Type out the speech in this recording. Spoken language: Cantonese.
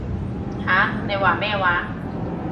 吓？你話咩話？